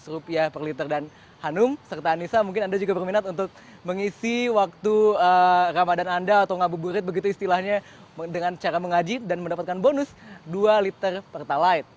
rp seratus per liter dan hanum serta anissa mungkin anda juga berminat untuk mengisi waktu ramadan anda atau ngabuburit begitu istilahnya dengan cara mengaji dan mendapatkan bonus dua liter pertalite